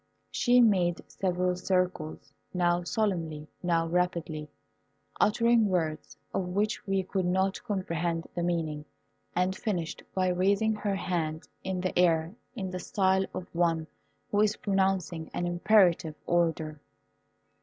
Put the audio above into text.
She made several circles, now solemnly, now rapidly, uttering words of which we could not comprehend the meaning, and finished by raising her hand in the air in the style of one who is pronouncing an imperative order.